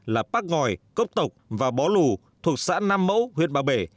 là bác ngòi cốc tộc và bó lù thuộc xã nam mẫu huyện ba bể